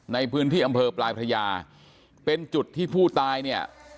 ในพื้นที่อำเภอปลายพระยาเป็นจุดที่ผู้ตายเนี่ย